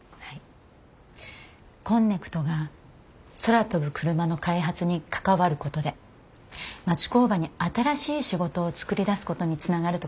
こんねくとが空飛ぶクルマの開発に関わることで町工場に新しい仕事を作り出すことにつながると考えてます。